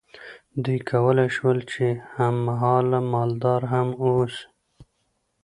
دوی کولی شول چې هم مهاله مالدار هم واوسي.